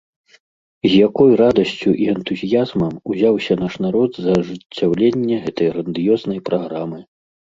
З якой радасцю і энтузіязмам узяўся наш народ за ажыццяўленне гэтай грандыёзнай праграмы!